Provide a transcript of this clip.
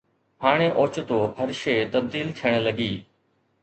هاڻي اوچتو هر شيء تبديل ٿيڻ لڳي.